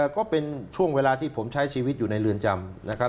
ก็เป็นช่วงเวลาที่ผมใช้ชีวิตอยู่ในเรือนจำนะครับ